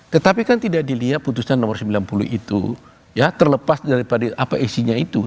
tetapi kan tidak dilihat putusan nomor sembilan puluh itu ya terlepas daripada apa isinya itu